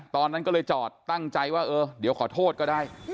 ตอนนั้นก็เลยจอดตั้งใจว่าเออเดี๋ยวขอโทษก็ได้